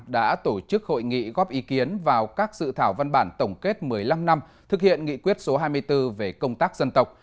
đã tổ chức hội nghị góp ý kiến vào các dự thảo văn bản tổng kết một mươi năm năm thực hiện nghị quyết số hai mươi bốn về công tác dân tộc